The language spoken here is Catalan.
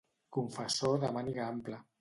Confessor de màniga ampla.